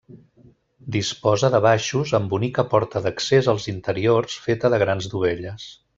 Disposa de baixos, amb bonica porta d'accés als interiors feta de grans dovelles.